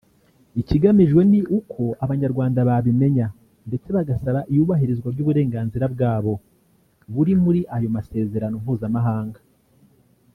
Ikigamijwe ni uko Abanyarwanda babimenya ndetse bagasaba iyubahirizwa ry’uburenganzira bwabo buri muri ayo masezerano mpuzamahanga